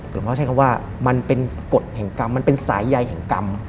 หลวงพ่อใช้คำว่ามันเป็นกฎแห่งกรรมมันเป็นสายใยแห่งกรรม